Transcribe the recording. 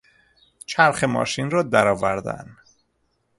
چرخ ماشین را درآوردن